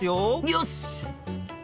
よし！